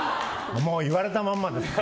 言われたまんまです。